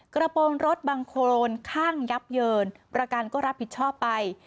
กระโปรงรถบังโครนข้างยับเยินประกันก็รับผิดชอบไป